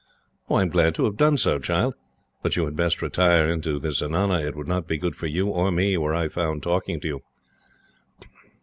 "I am glad to have done so, child. But you had best retire into the zenana. It would not be good for you, or me, were I found talking to you."